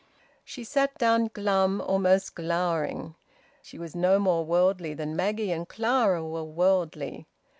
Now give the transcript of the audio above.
She sat down glum, almost glowering. She was no more worldly than Maggie and Clara were worldly.